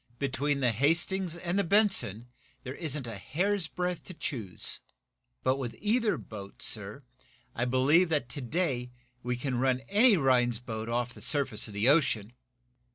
"Between the 'Hastings' and the 'Benson' there isn't a hair's breadth to choose. But with either boat, sir, I believe that, to day, we can run any Rhinds boat off the surface of the ocean!"